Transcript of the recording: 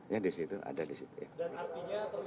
ya disitu ada disitu